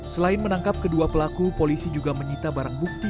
selain menangkap kedua pelaku polisi juga menyita barang bukti